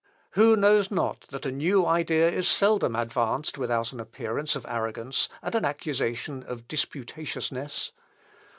Who knows not that a new idea is seldom advanced without an appearance of arrogance, and an accusation of disputatiousness?